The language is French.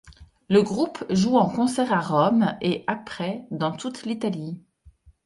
Le groupe joue en concert à Rome et, après, dans toute l'Italie.